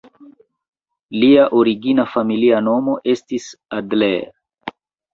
Lia origina familia nomo estis "Adler".